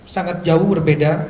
sangat jauh berbeda